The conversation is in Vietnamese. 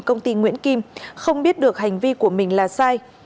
công ty nguyễn kim không biết được hành vi của mình là sai